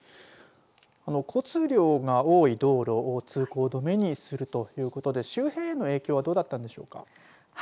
あの交通量が多い道路を通行止めにするということで周辺への影響はどうだったんでしょうか。